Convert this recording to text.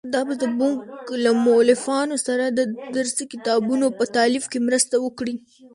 دا به زموږ له مؤلفانو سره د درسي کتابونو په تالیف کې مرسته وکړي.